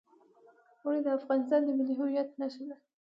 اوړي د افغانستان د ملي هویت نښه ده.